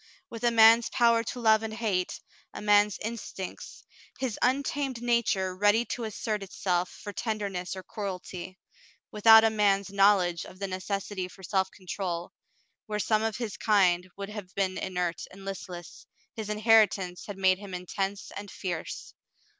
With a man's power to love and hate, a man's instincts, his untamed nature ready to assert itself for tenderness or cruelty, without a man's knowledge of the necessity for self control, where some of his kind would have been inert and listless, his inheritance had made him intense and fierce.